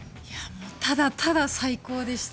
ただただ最高でした。